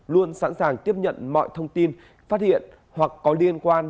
luôn sẵn sàng tiếp nhận mọi thông tin phát hiện hoặc có liên quan